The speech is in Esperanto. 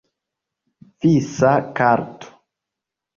Visa karto.